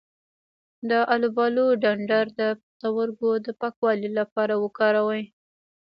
د الوبالو ډنډر د پښتورګو د پاکوالي لپاره وکاروئ